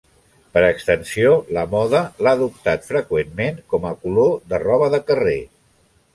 Per extensió la moda l'ha adoptat freqüentment com a color de roba de carrer.